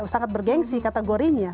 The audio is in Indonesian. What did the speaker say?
sangat bergensi kategorinya